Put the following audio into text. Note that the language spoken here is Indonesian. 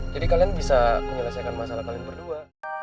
jadi kalian bisa menyelesaikan masalah kalian berdua